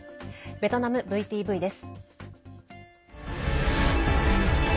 ベトナムＶＴＶです。